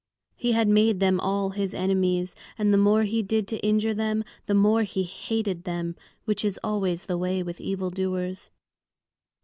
He had made them all his enemies, and the more he did to injure them, the more he hated them, which is always the way with evil doers.